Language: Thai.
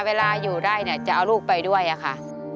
เวลาอยอยู่ว่าอยาหร่อยจะเอาลูกไปด้วยนะคะ